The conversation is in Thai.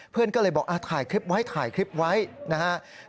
เพื่อนก็เลยบอกถ่ายคลิปไว้ถ่ายคลิปไว้นะครับ